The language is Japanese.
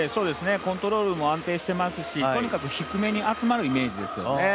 コントロールも安定していますしとにかく、低めに集まるイメージですよね。